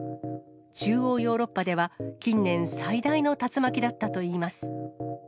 中央ヨーロッパでは、近年最大の竜巻だったといいます。